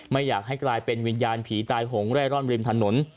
ไม่อยากให้กลายเป็นวิญญาณผีตายหงเร่ร่อนริมถนน